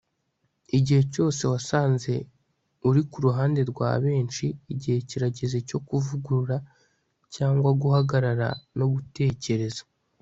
igihe cyose wasanze uri ku ruhande rwa benshi, igihe kirageze cyo kuvugurura (cyangwa guhagarara no gutekereza)